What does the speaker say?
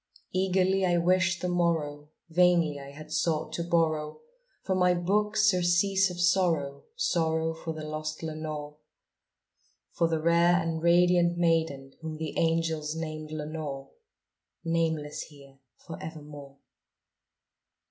Eagerly I wished the morrow; vainly I had sought to borrow From my books surcease of sorrow sorrow for the lost Lenore For the rare and radiant maiden whom the angels named Lenore Nameless here for evermore.